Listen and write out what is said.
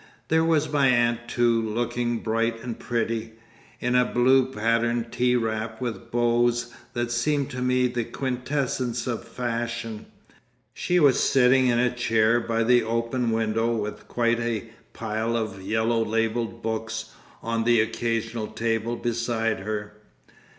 There was my aunt too looking bright and pretty, in a blue patterned tea wrap with bows that seemed to me the quintessence of fashion. She was sitting in a chair by the open window with quite a pile of yellow labelled books on the occasional table beside her.